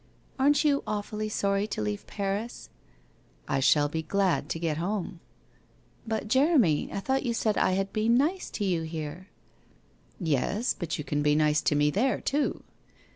' Aren't you awfully sorry to leave Paris ?'' I shall be glad to get home.' ' But, Jeremy, I thought you said I had been nice to you here/ ' Yes, but you can be nice to me there, too.'